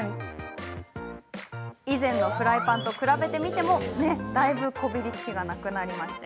以前のフライパンと比べてみてもだいぶこびりつきがなくなりました。